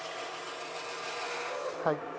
はい。